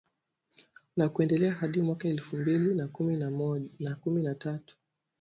na kuendelea hadi mwaka elfu mbili na kumi na tatu